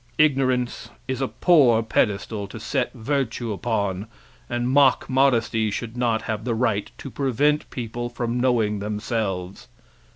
Ignorance is a poor pedestal to set virtue upon and mock modesty should not have the right to prevent people from knowing themselves.